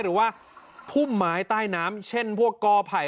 หรือว่าพุ่มไม้ใต้น้ำเช่นพวกกอไผ่